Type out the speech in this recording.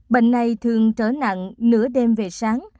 bệnh này thường trở nặng nửa đêm về sáng